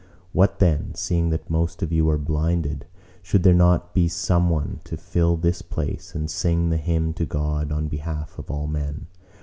What then! seeing that most of you are blinded, should there not be some one to fill this place, and sing the hymn to God on behalf of all men?